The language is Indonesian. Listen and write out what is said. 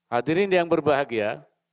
hadirin yang berbahagia